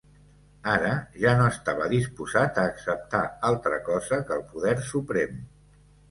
Ara ja no estava disposat a acceptar altra cosa que el poder suprem.